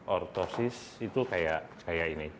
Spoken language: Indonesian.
ortosis itu kayak ini